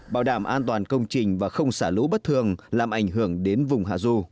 bảo đảm an toàn công trình và không xả lũ bất thường làm ảnh hưởng đến vùng hạ du